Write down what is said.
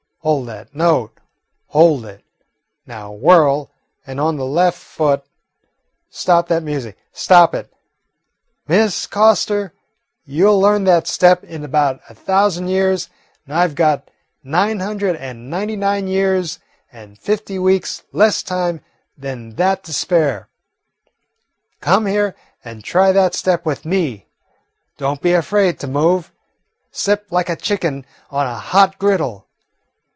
Hold that note, hold it! Now whirl, and on the left foot. Stop that music, stop it! Miss Coster, you 'll learn that step in about a thousand years, and I 've got nine hundred and ninety nine years and fifty weeks less time than that to spare. Come here and try that step with me. Don't be afraid to move. Step like a chicken on a hot griddle!"